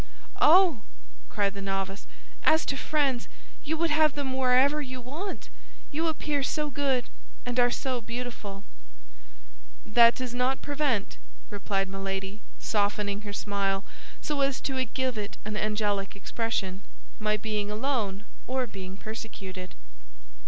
"Oh," cried the novice, "as to friends, you would have them wherever you want, you appear so good and are so beautiful!" "That does not prevent," replied Milady, softening her smile so as to give it an angelic expression, "my being alone or being persecuted."